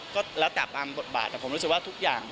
ก็แล้วแต่ตามบทบาทแต่ผมรู้สึกว่าทุกอย่าง